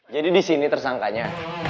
jadi disini tersangkanya